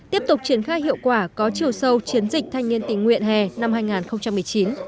tiếp tục triển khai hiệu quả có chiều sâu chiến dịch thanh niên tình nguyện hè năm hai nghìn một mươi chín